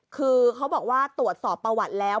คือเขาบอกว่าตรวจสอบประวัติแล้ว